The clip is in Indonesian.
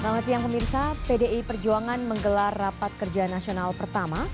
selamat siang pemirsa pdi perjuangan menggelar rapat kerja nasional pertama